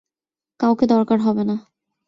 কাউকে দরকার হবে না।